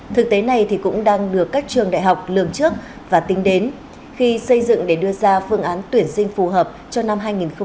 thực tế này cũng đang được các trường đại học lường trước và tính đến khi xây dựng để đưa ra phương án tuyển sinh phù hợp cho năm hai nghìn hai mươi